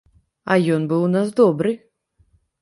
А ён быў у нас добры.